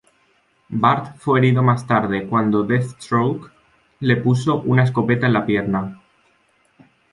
Bart fue herido más tarde cuando Deathstroke le puso una escopeta en la pierna.